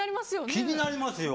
気になりますよ。